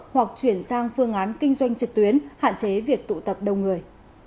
hoặc chuyển sang phương án kinh doanh trực tuyến hạn chế việc tụ tập đông người